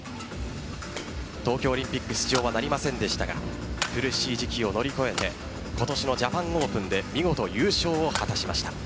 東京オリンピック出場はなりませんでしたが苦しい時期を乗り越えて今年のジャパンオープンで見事、優勝を果たしました。